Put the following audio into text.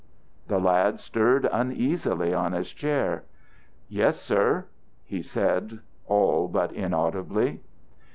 The lad stirred uneasily on his chair. "Yes, sir," he said all but inaudibly.